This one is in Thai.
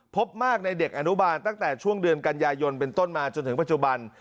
พบมากในเด็กอนุบาลตั้งแต่ช่วงเดือนกันยายนเป็นต้นมาจนถึงปัจจุบัน